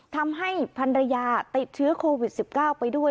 พันรยาติดเชื้อโควิด๑๙ไปด้วย